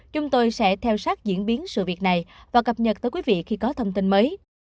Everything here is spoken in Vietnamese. chúng tôi sẽ theo sát diễn biến sự việc này và cập nhật tới quý vị khi có thông tin mới